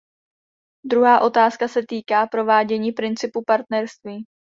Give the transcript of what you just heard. Druhá otázka se týká provádění principu partnerství.